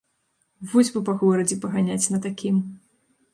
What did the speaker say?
Вось бы па горадзе паганяць на такім!